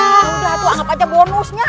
ah udah tuh anggap aja bonusnya